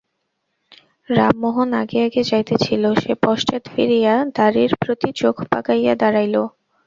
রামমোহন আগে আগে যাইতেছিল, সে পশ্চাৎ ফিরিয়া দ্বারীর প্রতি চোখ পাকাইয়া দাঁড়াইল।